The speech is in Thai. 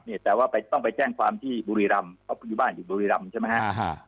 แต่ว่าไปต้องไปแจ้งความที่บุรีรำเพราะอยู่บ้านอยู่บุรีรำใช่ไหมฮะ